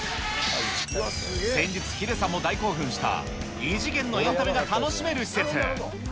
先日、ヒデさんも大興奮した異次元のエンタメが楽しめる施設。